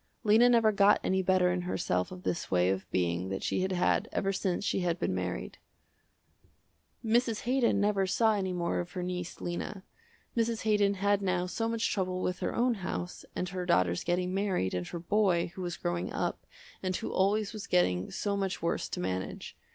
Lena never got any better in herself of this way of being that she had had ever since she had been married. Mrs. Haydon never saw any more of her niece, Lena. Mrs. Haydon had now so much trouble with her own house, and her daughters getting married, and her boy, who was growing up, and who always was getting so much worse to manage.